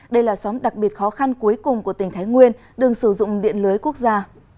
đây là xóm đặc biệt khó khăn cuối cùng của tỉnh thái nguyên đừng sử dụng điện lưới quốc gia